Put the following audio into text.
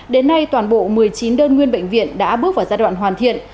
đến nay toàn bộ một mươi chín đơn nguyên bệnh viện đã bước vào giai đoạn hoàn thiện